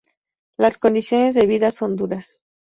Las condiciones de vida son duras.